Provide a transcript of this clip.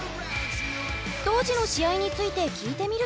当時の試合について聞いてみると。